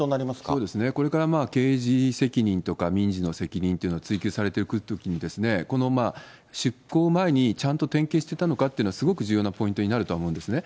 そうですね、これから刑事責任とか民事の責任っていうのは追及されていくときに、この出航前にちゃんと点検してたのかっていうのは、すごく重要なポイントになると思うんですね。